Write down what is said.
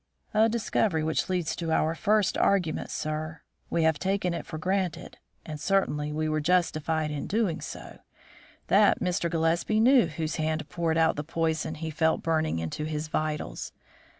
"A discovery which leads to our first argument, sir. We have taken it for granted (and certainly we were justified in doing so) that Mr. Gillespie knew whose hand poured out the poison he felt burning into his vitals.